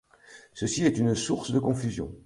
Ceci est une source de confusion.